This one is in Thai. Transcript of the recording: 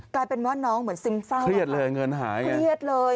กลายเป็นว่าน้องเหมือนซึมเศร้าเครียดเลยเงินหายเลยเครียดเลย